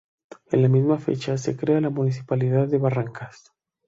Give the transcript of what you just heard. En la misma fecha se crea la Municipalidad de Barrancas.